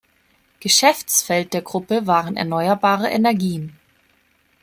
Geschäftsfeld der Gruppe waren erneuerbare Energien.